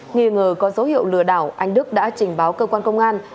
nghi ngờ có dấu hiệu lừa đảo anh đức đã trình báo cơ quan công an